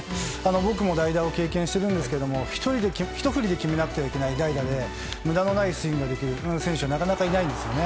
僕も代打を経験しているんですがひと振りで決めないといけない代打で無駄のないスイングができる選手はなかなかいないんですよね。